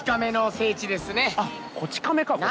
あっ『こち亀』かこれ。